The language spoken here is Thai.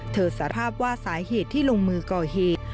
สารภาพว่าสาเหตุที่ลงมือก่อเหตุ